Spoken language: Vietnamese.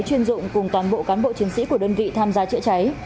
chuyên dụng cùng toàn bộ cán bộ chiến sĩ của đơn vị tham gia chữa cháy